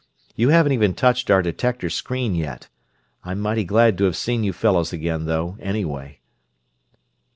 You haven't even touched our detector screen yet. I'm mighty glad to have seen you fellows again, though, anyway."